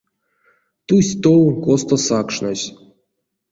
Тусь тов, косто сакшнось.